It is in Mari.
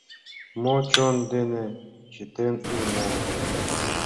Мо чон дене чытен илена?